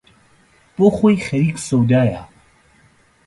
بۆ خۆی خەریک سەودایە